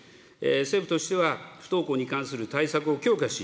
政府としては不登校に関する対策を強化し、